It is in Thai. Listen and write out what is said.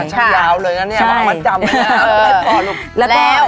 อาจจะยาวเลยนะเนี่ยวางมาจำไม่ได้พอหรือแล้ว